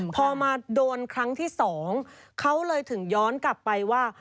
พอมาโดนครั้งที่๒เขาเลยถึงย้อนกลับไปว่า